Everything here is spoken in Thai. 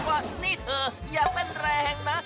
ว่านี่เธออย่าเต้นแรงนะ